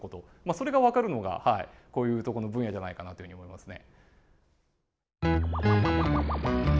それがわかるのがこういうとこの分野じゃないかなというふうに思いますね。